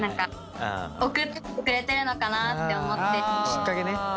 きっかけね。